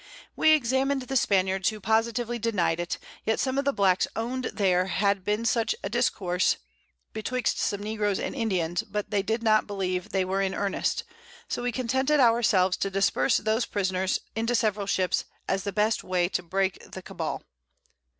We examin'd the Spaniards who positively denied it; yet some of the Blacks own'd there had been such a Discourse betwixt some Negroes and Indians, but they did not believe they were in earnest: So we contented our selves to disperse those Prisoners into several Ships, as the best Way to break the Cabal.